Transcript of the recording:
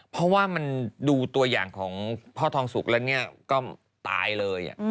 เพราะว่ามันดูตัวอย่างของพ่อทองสุกแล้วเนี่ยก็ตายเลย